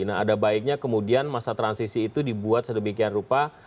nah ada baiknya kemudian masa transisi itu dibuat sedemikian rupa